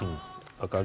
分かる？